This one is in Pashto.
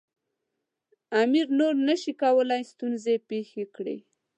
امیر نور نه شي کولای ستونزې پېښې کړي.